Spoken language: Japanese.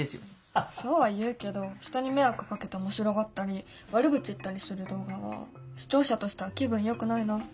そうは言うけど人に迷惑をかけて面白がったり悪口言ったりする動画は視聴者としては気分よくないな。